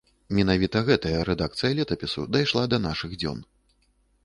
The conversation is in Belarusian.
Менавіта гэтая рэдакцыя летапісу дайшла да нашых дзён.